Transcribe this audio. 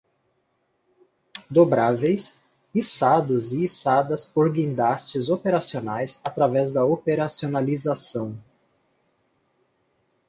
Dobráveis, içados e içadas por guindastes operacionais através da operacionalização